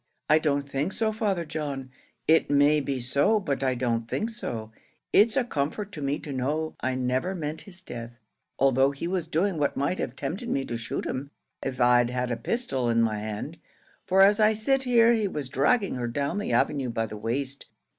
"I don't think so, Father John; it may be so, but I don't think so; it's a comfort to me to know I never meant his death, although he was doing what might have tempted me to shoot him, av I'd had a pistol in my hand; for as I sit here he was dragging her down the avenue by the waist.